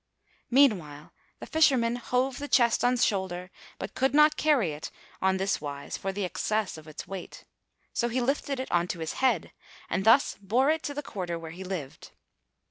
Meanwhile the Fisherman hove the chest on shoulder, but could not carry it on this wise for the excess of its weight; so he lifted it on to his head and thus bore it to the quarter where he lived.